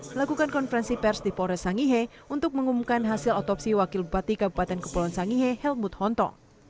melakukan konferensi pers di polres sangihe untuk mengumumkan hasil otopsi wakil bupati kabupaten kepulauan sangihe helmut honto